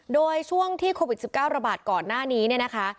โดยช่วงที่โควิด๑๙ระบาดก่อนหน้านี้เนี่ยนะคะ